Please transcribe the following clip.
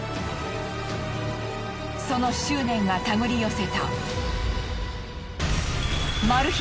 その執念が手繰り寄せたマル秘